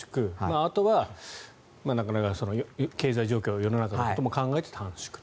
あとは経済状況世の中のことも考えて短縮と。